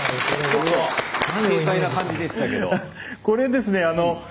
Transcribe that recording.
これですね